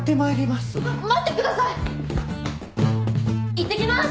いってきます！